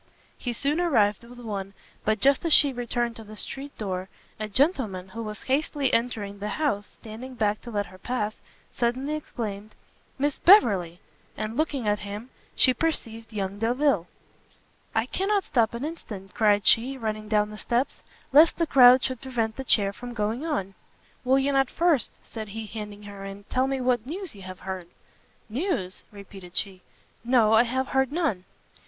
He soon arrived with one; but just as she returned to the street door, a gentleman, who was hastily entering the house, standing back to let her pass, suddenly exclaimed, "Miss Beverley!" and looking at him, she perceived young Delvile. "I cannot stop an instant," cried she, running down the steps, "lest the crowd should prevent the chair from going on." "Will you not first," said he, handing her in, "tell me what news you have heard?" "News?" repeated she. "No, I have heard none!"